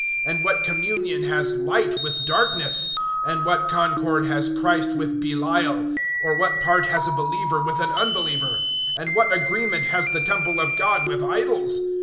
And what communion has light with darkness? (15)And what concord has Christ with Belial? Or what part has a believer with an unbeliever? (16)And what agreement has the temple of God with idols?